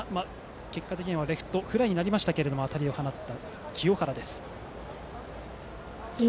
結果的にはレフトフライになりましたが当たりを放った、清原です。